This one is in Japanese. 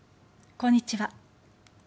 こんにちは。